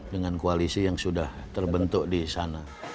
dengan koalisi yang sudah terbentuk di sana